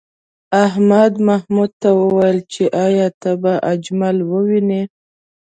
احمد محمود ته وویل چې ایا ته به اجمل ووینې؟